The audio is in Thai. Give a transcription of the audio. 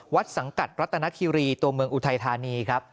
วัดสังกัดรัตนคิรีตัวเมืองอุทัยธานี